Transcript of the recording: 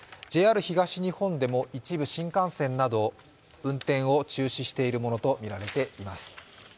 ＪＲ東日本でも一部新幹線など運転を中止しているものとみられています。